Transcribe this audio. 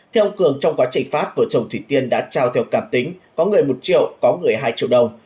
theo ông cường trong quá trình phát vợ chồng thủy tiên đã trao theo cảm tính có người một triệu có người hai triệu đồng